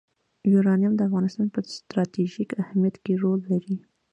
یورانیم د افغانستان په ستراتیژیک اهمیت کې رول لري.